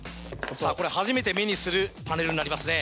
これ初めて目にするパネルになりますね。